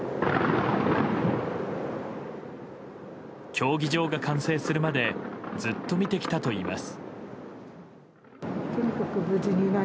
競技場が完成するまでずっと見てきたといいます。